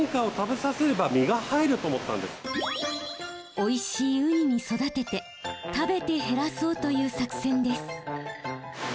おいしいウニに育てて食べて減らそうという作戦です。